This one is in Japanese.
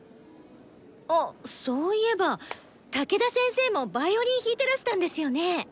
あそういえば武田先生もヴァイオリン弾いてらしたんですよね？